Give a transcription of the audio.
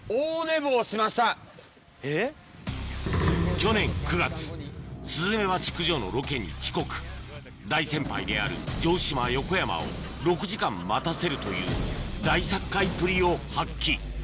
去年９月スズメバチ駆除のロケに遅刻大先輩である城島横山を６時間待たせるという大殺界っぷりを発揮